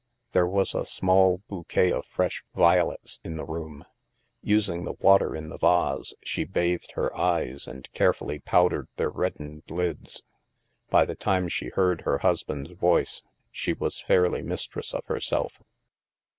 There was a small bouquet of fresh violets in the room. Using the water in the vase, she bathed her eyes and carefully powdered their reddened lids. By the time she heard her husband's voice, she was fairly mistress of herself.